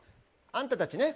あんたたちね